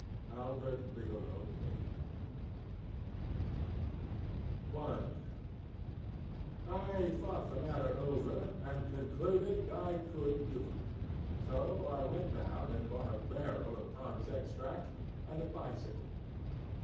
A. B. P. I I thought the matter over, and concluded I could do it. So I went down and bought a barrel of PondŌĆÖs Extract and a bicycle.